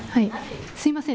すみません。